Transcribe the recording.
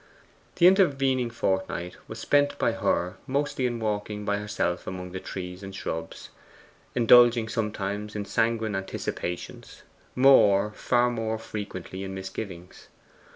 The intervening fortnight was spent by her mostly in walking by herself among the shrubs and trees, indulging sometimes in sanguine anticipations; more, far more frequently, in misgivings.